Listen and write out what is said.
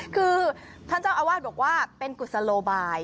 คือท่านเจ้าอาวาสบอกว่าเป็นกุศโลบาย